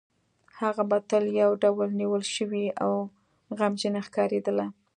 هغه به تل یو ډول نیول شوې او غمجنې ښکارېدله